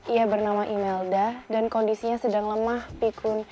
ia bernama imelda dan kondisinya sedang lemah pikun